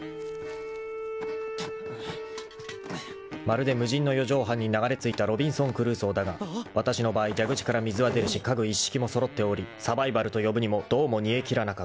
［まるで無人の四畳半に流れ着いたロビンソン・クルーソーだがわたしの場合蛇口から水は出るし家具一式も揃っておりサバイバルと呼ぶにもどうも煮えきらなかった］